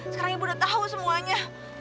sekarang ibu udah tahu semuanya